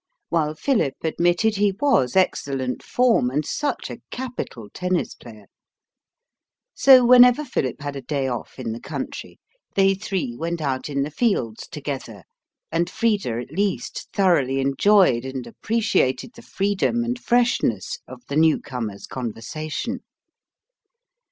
while Philip admitted he was excellent form, and such a capital tennis player! So whenever Philip had a day off in the country, they three went out in the fields together, and Frida at least thoroughly enjoyed and appreciated the freedom and freshness of the newcomer's conversation.